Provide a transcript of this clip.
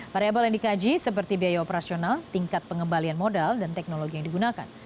variable yang dikaji seperti biaya operasional tingkat pengembalian modal dan teknologi yang digunakan